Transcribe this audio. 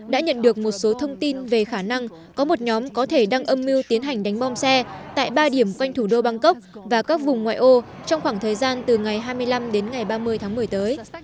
đã nhận được một số thông tin về khả năng có một nhóm có thể đăng âm mưu tiến hành đánh bom xe tại ba điểm quanh thủ đô bangkok và các vùng ngoại ô trong khoảng thời gian từ ngày hai mươi năm đến ngày ba mươi tháng một mươi tới